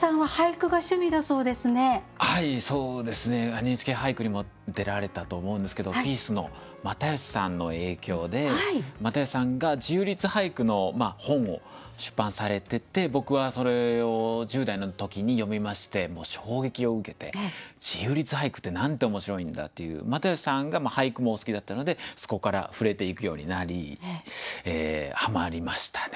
「ＮＨＫ俳句」にも出られたと思うんですけどピースの又吉さんの影響で又吉さんが自由律俳句の本を出版されてて僕はそれを１０代の時に読みましてもう衝撃を受けて自由律俳句ってなんて面白いんだっていう又吉さんが俳句もお好きだったのでそこから触れていくようになりはまりましたね。